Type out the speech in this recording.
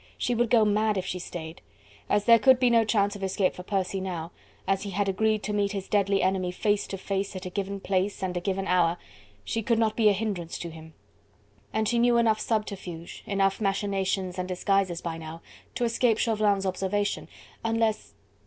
She would go mad if she stayed. As there could be no chance of escape for Percy now, as he had agreed to meet his deadly enemy face to face at a given place, and a given hour, she could not be a hindrance to him: and she knew enough subterfuge, enough machinations and disguises by now, to escape Chauvelin's observation, unless...